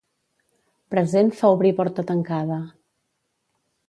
Present fa obrir porta tancada.